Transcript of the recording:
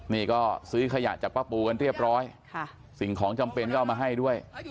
นี่ก็ซื้อขยะจากป้าปูกันเรียบร้อยสิ่งของจำเป็นก็เอามาให้ด้วย